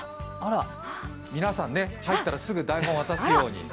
皆さん入ったらすぐ台本渡すように。